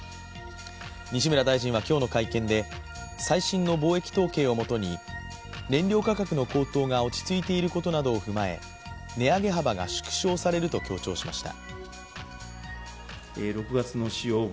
西村大臣は今日の会見で最新の貿易統計をもとに燃料価格の高騰が落ち着いていることなどを踏まえ、値上げ幅が縮小されると強調しました。